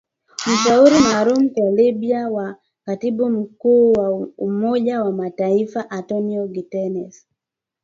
mshauri maalum kwa Libya wa katibu mkuu wa Umoja wa Mataifa Antonio Guterres